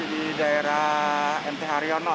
di daerah mt haryono